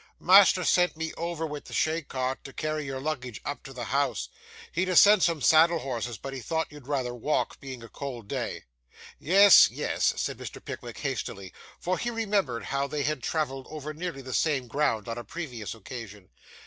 'Master sent me over with the chay cart, to carry your luggage up to the house. He'd ha' sent some saddle horses, but he thought you'd rather walk, being a cold day.' 'Yes, yes,' said Mr. Pickwick hastily, for he remembered how they had travelled over nearly the same ground on a previous occasion.